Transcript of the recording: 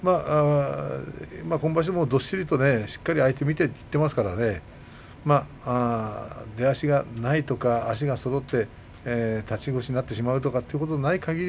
今場所もどっしりと、しっかりと相手を見ていっていますから出足がないとか足がそろって立ち腰になるということがないかぎり